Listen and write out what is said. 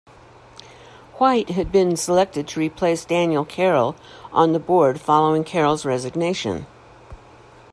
White had been selected to replace Daniel Carroll on the board following Carroll's resignation.